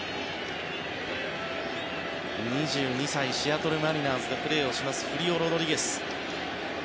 ２２歳、シアトル・マリナーズでプレーをしますフリオ・ロドリゲス。